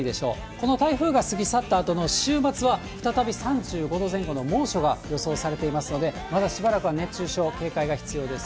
この台風が過ぎ去ったあとの週末は、再び３５度前後の猛暑が予想されていますので、まだしばらくは熱中症、警戒が必要です。